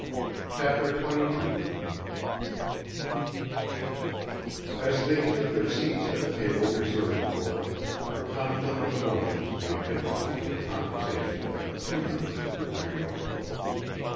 CHAPTER XXII As they took their seats at the table reserved for them, a conflict of emotions made difficulty of conversation for two members of the trio.